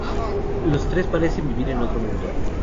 Los tres parecen vivir en otro mundo.